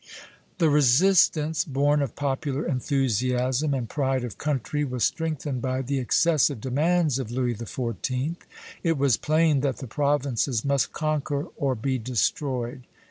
The resistance born of popular enthusiasm and pride of country was strengthened by the excessive demands of Louis XIV. It was plain that the Provinces must conquer or be destroyed.